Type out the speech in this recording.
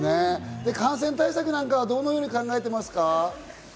感染対策なんかはどのように考えていますか？